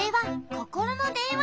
ココロのでんわ？